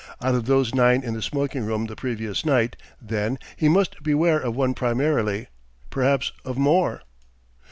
Out of those nine in the smoking room the previous night, then, he must beware of one primarily, perhaps of more.